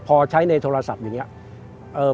พอใช้ในโทรศัพท์อย่างนี้